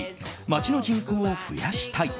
町の人口を増やしたい。